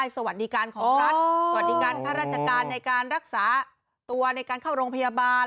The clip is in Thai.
สวัสดีการพระราชการในการรักษาตัวในการเข้าโรงพยาบาล